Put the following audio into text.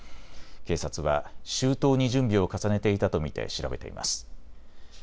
警察は周到に準備を重ねていたと見て調べています。